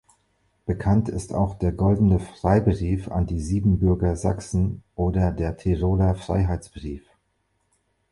Bekannt ist auch der Goldene Freibrief an die Siebenbürger Sachsen oder der Tiroler Freiheitsbrief.